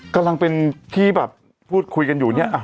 กำลังเป็นที่แบบพูดคุยกันอยู่เนี่ย